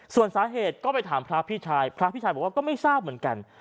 ส่วนสาเหตุก็ไปถามพระพี่ชายพระพี่ชายบอกว่าก็ไม่ทราบเหมือนกัน